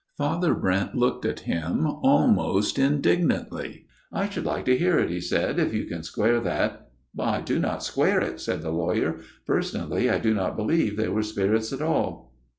Father Brent looked at him almost indignantly. " I should like to hear it," he said, " if you can square that "" I do not square it," said the lawyer. " Per sonally I do not believe they were spirits at all."